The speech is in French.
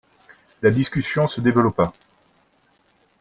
La discussion se développa.